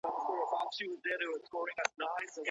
څنګه افغان صادروونکي افغاني غالۍ ترکیې ته لیږدوي؟